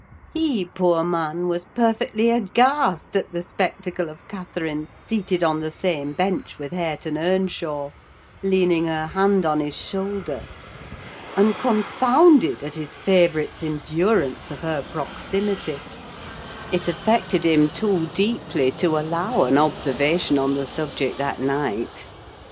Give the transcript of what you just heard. He, poor man, was perfectly aghast at the spectacle of Catherine seated on the same bench with Hareton Earnshaw, leaning her hand on his shoulder; and confounded at his favourite's endurance of her proximity: it affected him too deeply to allow an observation on the subject that night.